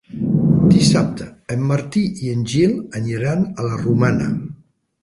Dissabte en Martí i en Gil aniran a la Romana.